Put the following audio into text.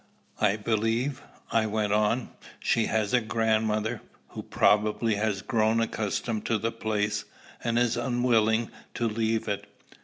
"I believe," I went on, "she has a grandmother, who probably has grown accustomed to the place, and is unwilling to leave it."